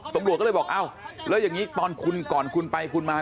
ตำรวจก็เลยบอกอ้าวแล้วอย่างนี้ตอนคุณก่อนคุณไปคุณมา